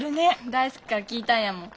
大介から聞いたんやもん。